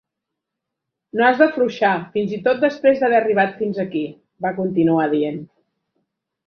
"No has d'afluixar, fins i tot després d'haver arribat fins aquí", va continuar dient.